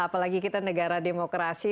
apalagi kita negara demokrasi